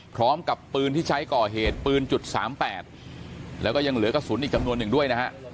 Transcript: พร้อมกับปืนที่ใช้ก่อเหตุปืน๓๘แล้วก็ยังเหลือกระสุนอีกจำนวนหนึ่งด้วยนะฮะ